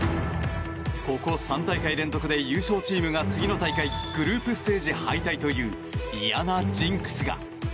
ここ３大会連続で優勝チームが次の大会グループステージ敗退という嫌なジンクスが。